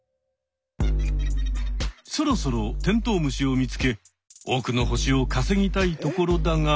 そろそろテントウムシを見つけ多くの星をかせぎたいところだが。